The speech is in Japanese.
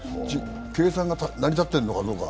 計算が成り立っているのかどうか。